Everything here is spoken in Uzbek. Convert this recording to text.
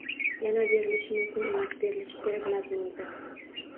Ya’ni, “berilishi mumkin” emas, “berilishi kerak” mazmunida.